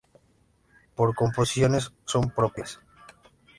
Las composiciones son propias.